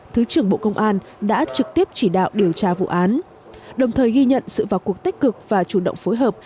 thứ trưởng bộ công an đã trực tiếp chỉ đạo điều tra vụ án đồng thời ghi nhận sự vào cuộc tích cực và chủ động phối hợp